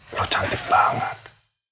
lo cantik banget